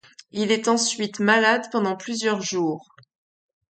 Il est ensuite malade pendant plusieurs jours.